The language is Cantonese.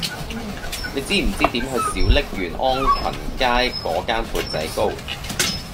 你知唔知點去小瀝源安群街嗰間缽仔糕